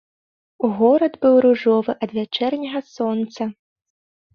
Горад быў ружовы ад вячэрняга сонца.